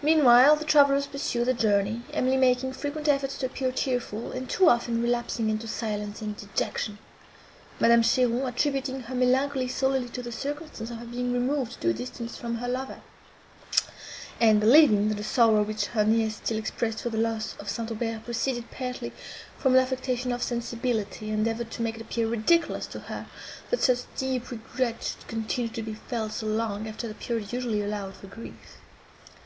Meanwhile, the travellers pursued their journey; Emily making frequent efforts to appear cheerful, and too often relapsing into silence and dejection. Madame Cheron, attributing her melancholy solely to the circumstance of her being removed to a distance from her lover, and believing, that the sorrow, which her niece still expressed for the loss of St. Aubert, proceeded partly from an affectation of sensibility, endeavoured to make it appear ridiculous to her, that such deep regret should continue to be felt so long after the period usually allowed for grief.